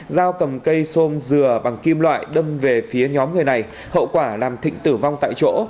giao cầm cây xôm dừa bằng kim loại đâm về phía nhóm người này hậu quả làm thịnh tử vong tại chỗ